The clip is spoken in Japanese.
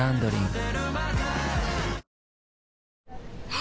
あ！